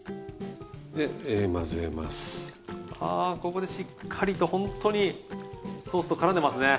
ここでしっかりとほんとにソースとからんでますね。